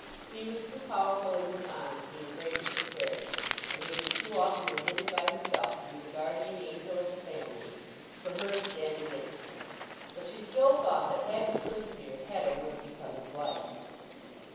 He was too powerful in his honesty and greatness of character, and had been too often admitted by herself to be the guardian angel of the family, for her to stand against him. But she still thought that had he persevered, Hetta would have become his wife.